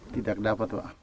tidak dapat pak